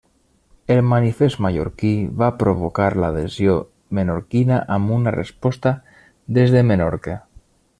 El manifest mallorquí va provocar l'adhesió menorquina amb una Resposta des de Menorca.